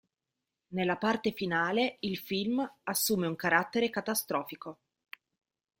Nella parte finale il film assume un carattere catastrofico.